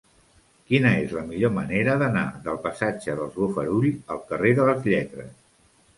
Quina és la millor manera d'anar del passatge dels Bofarull al carrer de les Lletres?